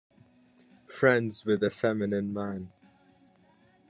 Friends with a feminine man.